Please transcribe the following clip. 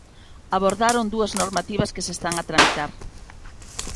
Abordaron dúas normativas que se están a tramitar.